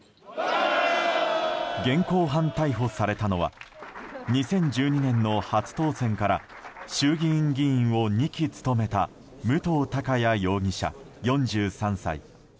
現行犯逮捕されたのは２０１２年の初当選から衆議院議員を２期務めた武藤貴也容疑者、４３歳。